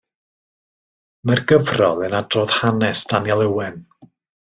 Mae'r gyfrol yn adrodd hanes Daniel Owen.